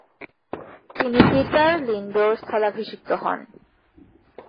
তিনি পিটার লিন্ডৌর স্থলাভিষিক্ত হন।